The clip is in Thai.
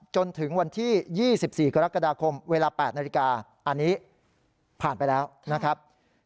จนถึงวันที่๒๔กรกฎาคมเวลา๘นาฬิกาอันนี้ผ่านไปแล้วนะครับ